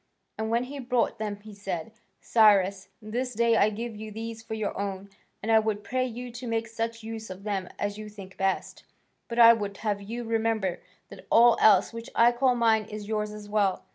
And when he brought them he said, "Cyrus, this day I give you these for your own, and I would pray you to make such use of them as you think best, but I would have you remember that all else which I call mine is yours as well.